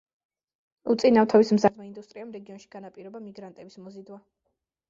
უწინ ნავთობის მზარდმა ინდუსტრიამ რეგიონში განაპირობა მიგრანტების მოზიდვა.